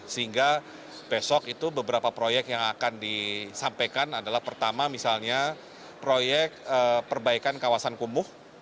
sehingga besok itu beberapa proyek yang akan disampaikan adalah pertama misalnya proyek perbaikan kawasan kumuh